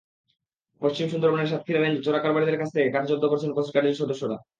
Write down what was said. পশ্চিম সুন্দরবনের সাতক্ষীরা রেঞ্জে চোরাকারবারিদের কাছ থেকে কাঠ জব্দ করেছেন কোস্টগার্ডের সদস্যরা।